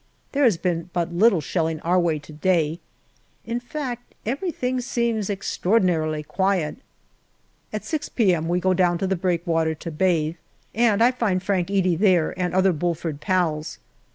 There has been but little shelling our way to day in fact, everything seems extraordinarily quiet. At 6 p.m. we go down to the breakwater to bathe, and I find Frank Edey there, and other Bulford pals.